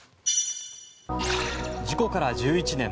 事故から１１年。